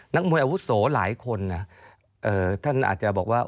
นักมวยอาวุโสหลายคนท่านอาจจะบอกว่า